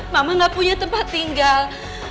mama gak punya tempat tinggal